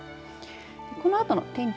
このあとの天気